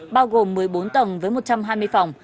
bao gồm một mươi bốn tầng với một trăm hai mươi phòng